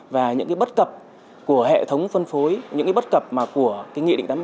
và những bất cập của hệ thống phân phối những bất cập của nghị định tám mươi bảy